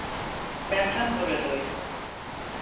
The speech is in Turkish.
Ben tam buradayım.